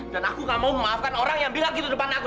dan aku tidak mau memaafkan orang yang bilang begitu depan aku